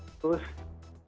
kak tadi yang